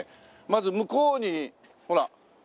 まず向こうにほらねっ。